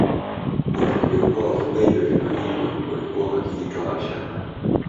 Watu waliokuwa wafuaji wa vyuma hivyo walikuwa wakiitwa Washana